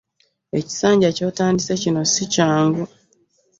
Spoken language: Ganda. Ekisanja ky'otandise kino si kyangu.